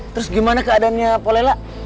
terus gimana keadaannya polela